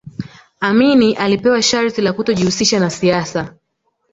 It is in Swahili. amini alipewa sharti la kutojihusisha na siasa